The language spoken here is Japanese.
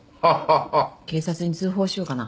警察に通報しようかな。